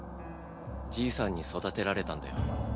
じいさんに育てられたんだよ。